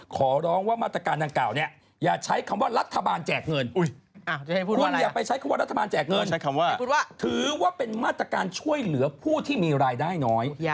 ขอร้องว่ามาตรการทางเก่าอย่าใช้คำว่ารัฐบาลแจกเงิน